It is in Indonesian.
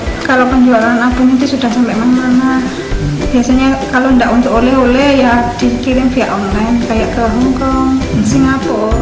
biasanya kalau tidak untuk oleh oleh ya dikirim via online